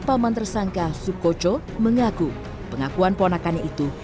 paman tersangka sukoco mengaku pengakuan ponakannya itu